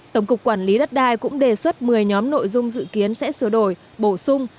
tổng cục quản lý đất đai cũng đề xuất một mươi nhóm nội dung dự kiến sẽ sửa đổi bổ sung